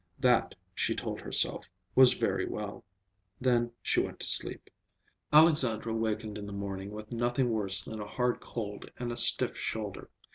That, she told herself, was very well. Then she went to sleep. Alexandra wakened in the morning with nothing worse than a hard cold and a stiff shoulder.